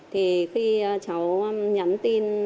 thì khi cháu nhắn tin